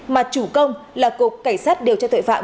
mà chủ công là cục cảnh sát điều tra tội phạm